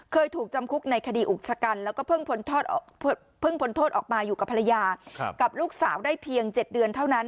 เคยถูกจำคุกในคดีอุกชะกันแล้วก็เพิ่งพ้นโทษออกมาอยู่กับภรรยากับลูกสาวได้เพียง๗เดือนเท่านั้น